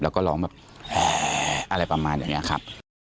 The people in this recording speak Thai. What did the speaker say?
แล้วก็ร้องแบบแห่อะไรประมาณอย่างนี้ครับ